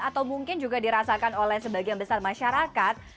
atau mungkin juga dirasakan oleh sebagian besar masyarakat